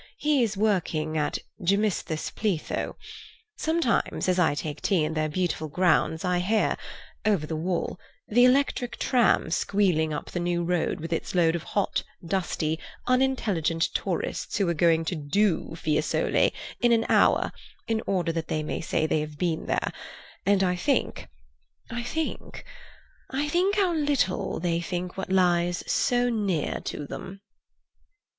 He is working at Gemistus Pletho. Sometimes as I take tea in their beautiful grounds I hear, over the wall, the electric tram squealing up the new road with its loads of hot, dusty, unintelligent tourists who are going to 'do' Fiesole in an hour in order that they may say they have been there, and I think—think—I think how little they think what lies so near them."